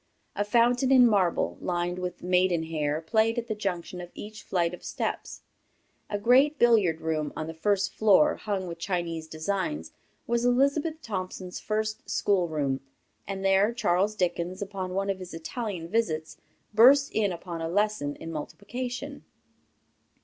A fountain in marble, lined with maiden hair, played at the junction of each flight of steps. A great billiard room on the first floor, hung with Chinese designs, was Elizabeth Thompson's first school room; and there Charles Dickens, upon one of his Italian visits, burst in upon a lesson in multiplication.